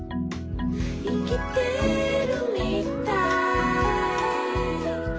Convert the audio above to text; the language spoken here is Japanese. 「いきてるみたい」